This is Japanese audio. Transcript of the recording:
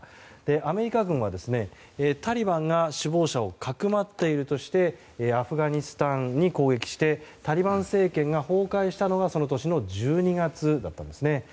アメリカ軍はタリバンが首謀者をかくまっているとしてアフガニスタンを攻撃してタリバン政権が崩壊したのはその年の１２月だったんですね。